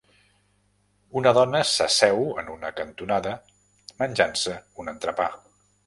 Una dona s'asseu en una cantonada menjant-se un entrepà.